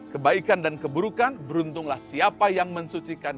kebaikan dan keburukan beruntunglah siapa yang mensucikan